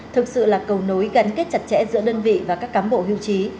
thực sự là cầu nối gắn kết chặt chẽ giữa đơn vị và các cán bộ hiêu chí